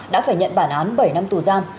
đã phải nhận bản án bảy năm tù gian